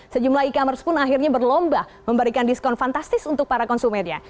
sejumlah e commerce pun akhirnya berlomba memberikan diskon fantastis untuk para konsumennya